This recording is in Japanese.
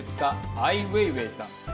アイ・ウェイウェイさん。